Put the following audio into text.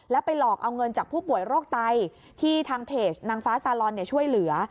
แล้วไปหลอกเอาเงินจากผู้ป่วยโรคไตที่ทางเพจนางฟ้าซาลอนช่วยเหลือ